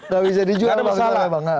tidak ada masalah